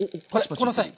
このサイン！